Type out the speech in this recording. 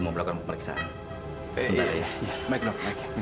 pak pak tahu